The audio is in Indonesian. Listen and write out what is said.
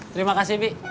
terima kasih bi